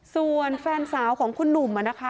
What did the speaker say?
ส่วนแฟนสาวของคุณหนุ่มนะคะ